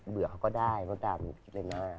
เบื่อเค้าก็ได้ประมาณนั้น